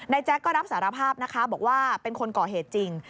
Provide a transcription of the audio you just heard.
แจ๊กก็รับสารภาพนะคะบอกว่าเป็นคนก่อเหตุจริง